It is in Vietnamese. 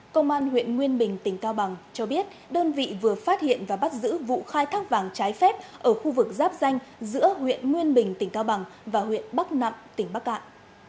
công an huyện nguyên bình tỉnh cao bằng cho biết đơn vị vừa phát hiện và bắt giữ vụ khai thác vàng trái phép ở khu vực giáp danh giữa huyện nguyên bình tỉnh cao bằng và huyện bắc nặng tỉnh bắc cạn